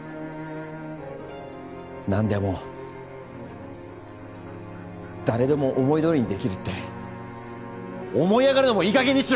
何でも誰でも思いどおりにできるって思い上がるのもいいかげんにしろ！